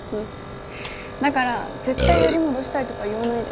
だから絶対より戻したいとか言わないでね。